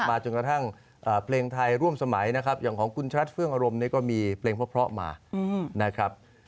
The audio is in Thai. จนกระทั่งเพลงไทยร่วมสมัยนะครับอย่างของคุณชัดเฟื่องอารมณ์เนี่ยก็มีเพลงเพราะมานะครับ